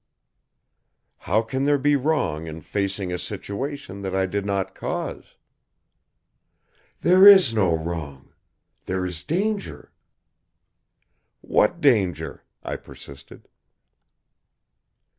"How can there be wrong in facing a situation that I did not cause?" "There is no wrong. There is danger." "What danger?" I persisted.